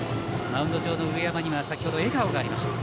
マウンド上の上山には先程、笑顔がありました。